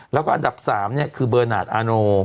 แล้วก็อันดับ๓คือเบอร์นาทอาโน